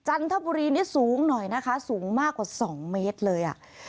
จันทบุรีนี่สูงหน่อยนะคะสูงมากกว่า๒เมตรเลยอ่ะ